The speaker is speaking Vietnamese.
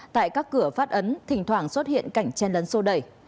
tại các cửa phát ấn thỉnh thoảng xuất hiện cảnh chen lấn sô đẩy